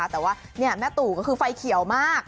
แต่ว่าแม่ตู่ก็คือไฟเขียวมาก